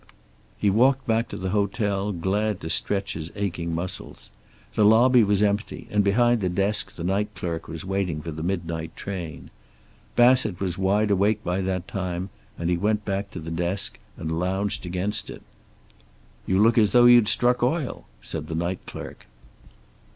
He walked back to the hotel, glad to stretch his aching muscles. The lobby was empty, and behind the desk the night clerk was waiting for the midnight train. Bassett was wide awake by that time, and he went back to the desk and lounged against it. "You look as though you'd struck oil," said the night clerk.